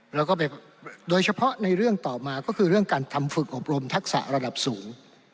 แล้วก็ไปโดยเฉพาะในเรื่องต่อมาก็คือเรื่องการทำฝึกอบรมทักษะระดับสูง